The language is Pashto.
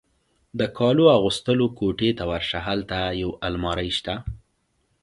د کالو اغوستلو کوټې ته ورشه، هلته یو المارۍ شته.